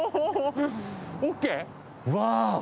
うわ！